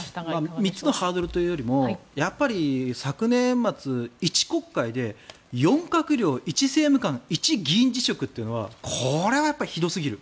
３つのハードルというよりやっぱり昨年末、１国会で４閣僚１政務官１議員辞職というのはこれはひどすぎる。